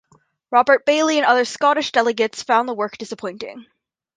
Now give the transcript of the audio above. Robert Baillie and other Scottish delegates found the work disappointing.